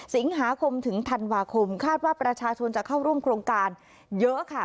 สิงหาคมถึงธันวาคมคาดว่าประชาชนจะเข้าร่วมโครงการเยอะค่ะ